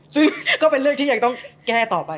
ซึ่งก็เป็นเรื่องที่ยังต้องแก้ต่อไป